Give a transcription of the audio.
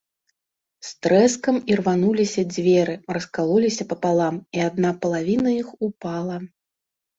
З трэскам ірвануліся дзверы, раскалоліся папалам, і адна палавіна іх упала.